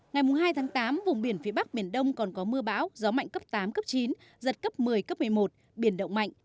ngày hai tháng tám vùng biển phía bắc miền đông còn có mưa bão gió mạnh cấp tám cấp chín giật cấp một mươi cấp một mươi một biển động mạnh